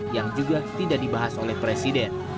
yang juga tidak dibahas oleh presiden